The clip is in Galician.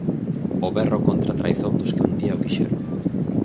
O berro contra a traizón dos que un día o quixeron.